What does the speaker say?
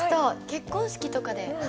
結婚式とかで。